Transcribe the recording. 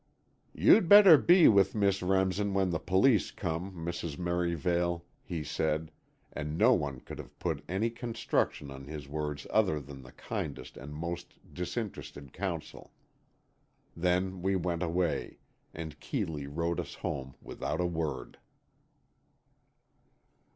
"You'd better be with Miss Remsen when the police come, Mrs. Merivale," he said, and no one could have put any construction on his words other than the kindest and most disinterested counsel. Then we went away, and Keeley rowed us home without a word.